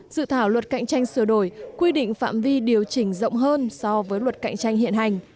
dự thảo luật cạnh tranh sửa đổi quy định phạm vi điều chỉnh rộng hơn so với luật cạnh tranh hiện hành